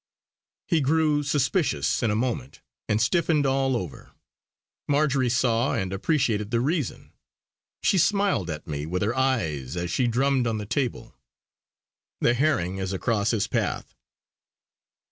He grew suspicious in a moment, and stiffened all over. Marjory saw, and appreciated the reason. She smiled at me with her eyes as she drummed on the table: "The herring is across his path!"